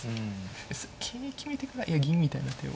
桂決めてから銀みたいな手を。